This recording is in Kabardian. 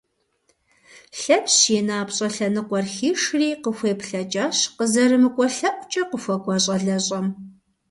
Лъэпщ и напщӏэ лъэныкъуэр хишри, къыхуеплъэкӏащ къызэрымыкӏуэ лъэӏукӏэ къыхуэкӏуа щӏалэщӏэм.